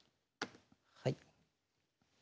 はい。